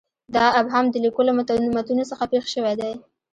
دا ابهام د لیکلو متونو څخه پېښ شوی دی.